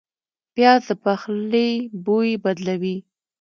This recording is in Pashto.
پیاز د پخلي بوی بدلوي